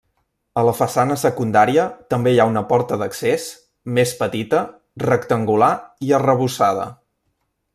A la façana secundària també hi ha una porta d'accés, més petita, rectangular i arrebossada.